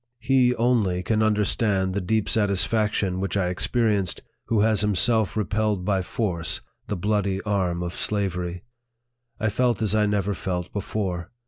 He only can understand the deep satisfaction which I experienced, who has himself repelled by force the bloody arm of slavery. I felt as I never felt before.